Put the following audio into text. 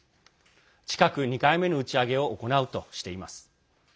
近く２回目の打ち上げを行うとしています。